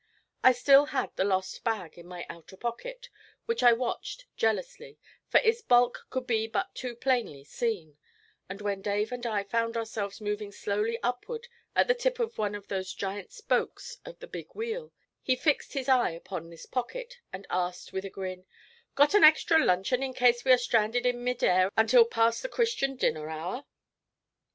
I still had the lost bag in my outer pocket, which I watched jealously, for its bulk could be but too plainly seen; and when Dave and I found ourselves moving slowly upward at the tip of one of those giant spokes of the big wheel, he fixed his eye upon this pocket, and asked with a grin: 'Got an extra luncheon in case we are stranded in mid air until past the Christian dinner hour?'